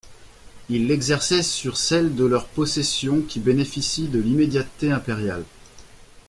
Ils l'exerçaient sur celles de leurs possessions qui bénéficient de l'immédiateté impériale.